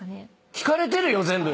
聞かれてるよ全部！